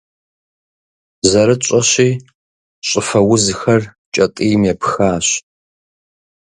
Зэрытщӏэщи, щӏыфэ узхэр кӏэтӏийм епхащ.